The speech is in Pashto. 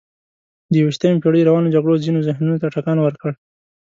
د یویشتمې پېړۍ روانو جګړو ځینو ذهنونو ته ټکان ورکړ.